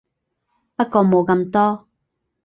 不過冇咁多